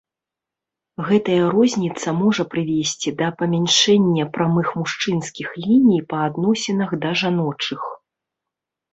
Гэтая розніца можа прывесці да памяншэння прамых мужчынскіх ліній па адносінах да жаночых.